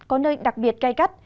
có nơi đặc biệt cay cắt